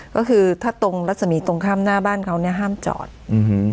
ก็คือถ้าตรงรัศมีตรงข้ามหน้าบ้านเขาเนี้ยห้ามจอดอื้อหือ